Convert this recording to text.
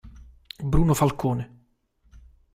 Bruno Falcone